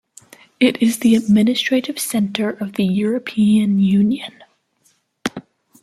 It is the administrative centre of the European Union.